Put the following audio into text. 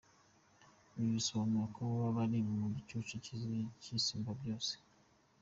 Ibi bisobanuye ko baba bari mu gicucu cy’Isumbabyose.